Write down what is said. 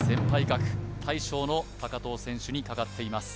格大将の藤選手にかかっています